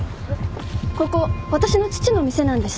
ここ私の父の店なんです。